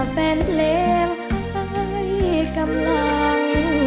ฟันเลวให้กำลังใจ